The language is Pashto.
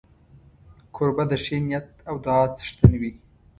کوربه د ښې نیت او دعا څښتن وي.